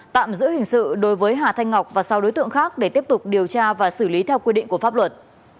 tạm giữ hình sự đối với hà thanh ngọc và sau đối tượng khác để tiếp tục điều tra và xử lý theo quy định của pháp luật